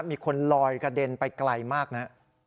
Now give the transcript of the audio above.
มีคนลอยกระเด็นไปไกลมากนะ